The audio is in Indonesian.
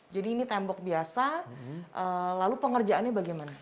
jadi ini tembok biasa lalu pengerjaannya bagaimana